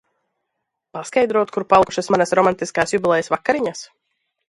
Paskaidrot, kur palikušas manas romantiskās jubilejas vakariņas?